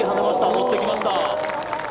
戻ってきました。